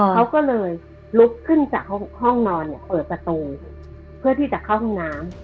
เขาก็เลยลุกขึ้นจากห้องนอนเนี่ยเปิดประตูเพื่อที่จะเข้าห้องน้ำ